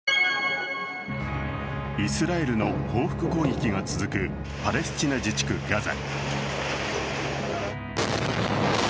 イスラエルの報復攻撃が続くパレスチナ自治区ガザ。